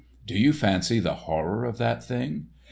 Do you fancy the horror of that thing?